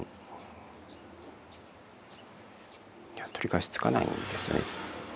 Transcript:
取り返しつかないんですよね。